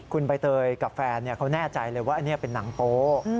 คุณใบเตยกับแฟนว่าเข้าแน่ใจเลยว่าเป็นหนังโป๊ะ